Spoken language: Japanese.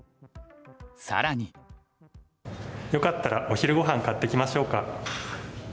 よかったらお昼ごはん買ってきましょうか？